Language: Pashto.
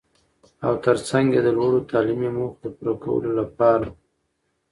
او تر څنګ يې د لوړو تعليمي موخو د پوره کولو لپاره.